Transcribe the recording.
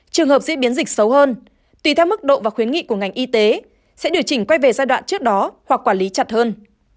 trường hợp diễn biến dịch xấu hơn tùy theo mức độ và khuyến nghị của ngành y tế sẽ điều chỉnh quay về giai đoạn trước đó hoặc quản lý chặt hơn